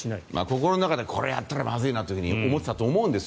心の中でこれをやったらまずいなと思ってたとは思うんです。